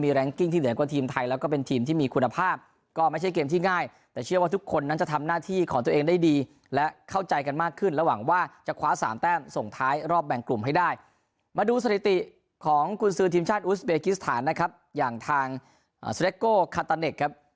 แรงกิ้งที่เหลือกว่าทีมไทยแล้วก็เป็นทีมที่มีคุณภาพก็ไม่ใช่เกมที่ง่ายแต่เชื่อว่าทุกคนนั้นจะทำหน้าที่ของตัวเองได้ดีและเข้าใจกันมากขึ้นระหว่างว่าจะคว้าสามแต้มส่งท้ายรอบแบ่งกลุ่มให้ได้มาดูสถิติของกุญสือทีมชาติอุสเบกิสถานนะครับอย่างทางสเต็กโก้คาตาเนคครับ